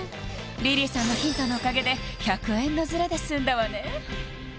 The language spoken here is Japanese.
リリーさんのヒントのおかげで１００円のズレですんだわね